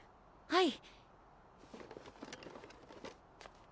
はい。